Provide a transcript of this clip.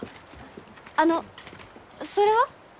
あのそれは？